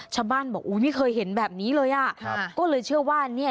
ชาวบ้านบอกอุ้ยไม่เคยเห็นแบบนี้เลยอ่ะครับก็เลยเชื่อว่าเนี่ย